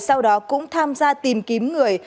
sau đó cũng tham gia tìm kiếm người